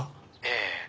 ええ。